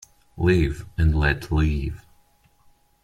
Live and let live.